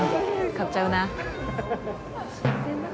買っちゃうな。